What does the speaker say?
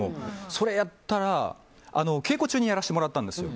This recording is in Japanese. それやったら、稽古中にやらせてもらったんですよ。